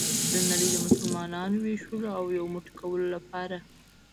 د نړۍ د مسلمانانو ویښولو او یو موټی کولو لپاره.